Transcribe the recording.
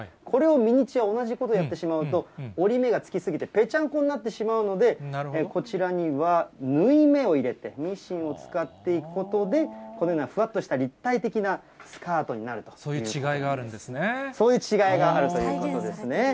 これをミニチュア、同じことやってしまうと、折り目がつきすぎてぺちゃんこになってしまうので、こちらには縫い目を入れて、ミシンを使っていくことで、このようなふわっとした立体的なスカートになるということなんでそういう違いがあるんですね。